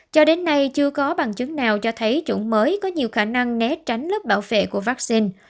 cho đến nay chưa có bằng chứng nào cho thấy chủng mới có nhiều khả năng né tránh lớp bảo vệ của vaccine